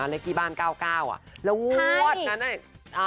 อะไรกี่บ้าน๙๙อ่ะแล้ววววด